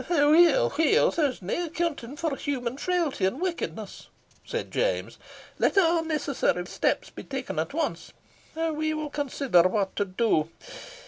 "Weel, weel, there is nae accounting for human frailty and wickedness," said James. "Let a' necessary steps be taken at once. We will consider what to do.